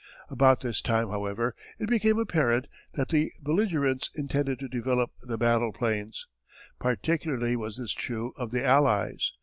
About this time, however, it became apparent that the belligerents intended to develop the battleplanes. Particularly was this true of the Allies.